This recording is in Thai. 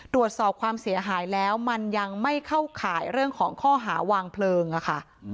ตรวจสอบความเสียหายแล้วมันยังไม่เข้าข่ายเรื่องของข้อหาวางเพลิงค่ะ